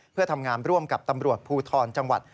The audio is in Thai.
เพื่อทำงานร่วมกับตำรวจภูทรจังหวัด